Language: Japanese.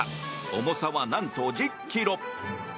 重さは、何と１０ｋｇ。